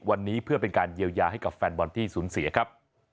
วันนี้เพื่อเป็นการเยียวยาให้กับแฟนบอลที่สูญเสียครับ